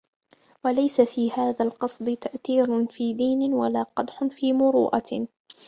وَلَيْسَ فِي هَذَا الْقَصْدِ تَأْثِيرٌ فِي دِينٍ وَلَا قَدَحٌ فِي مُرُوءَةٍ